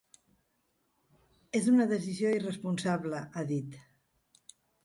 És una decisió irresponsable, ha dit.